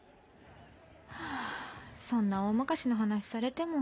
ハァそんな大昔の話されても。